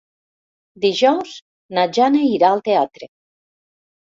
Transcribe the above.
Dijous na Jana irà al teatre.